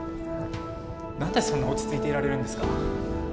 何でそんな落ち着いていられるんですか。